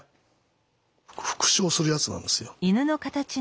復唱するやつなんですよ。